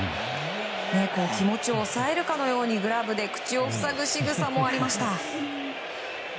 気持ちを抑えるかのようにグラブで口を塞ぐしぐさもありました。